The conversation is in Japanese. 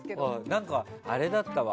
何か、あれだったわ。